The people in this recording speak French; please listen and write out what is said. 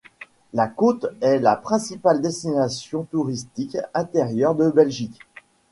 La côte est la principale destination touristique intérieure de Belgique.